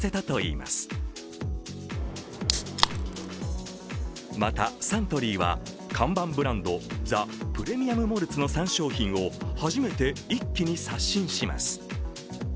また、サントリーは看板ブランド、ザ・プレミアム・モルツの３商品を初めて一気に刷新します。